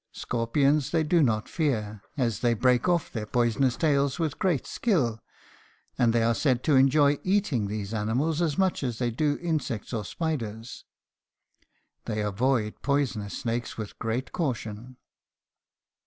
Scorpions they do not fear, as they break off their poisonous tails with great skill, and they are said to enjoy eating these animals as much as they do insects or spiders. They avoid poisonous snakes with great caution.